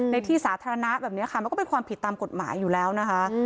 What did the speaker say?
ในที่สาธารณะแบบนี้ค่ะมันก็เป็นความผิดตามกฎหมายอยู่แล้วนะคะ